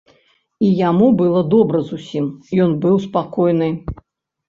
І яму было добра зусім, ён быў спакойны.